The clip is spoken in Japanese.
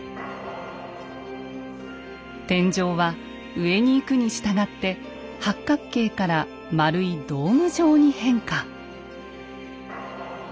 天井は上に行くにしたがって八角形から丸いドーム状に変化。